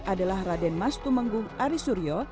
adalah raden mas tumenggung aris suryo